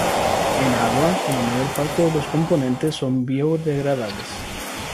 En agua, la mayor parte de los componentes son biodegradables.